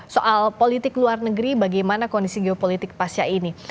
soal politik luar negeri bagaimana kondisi geopolitik pasca ini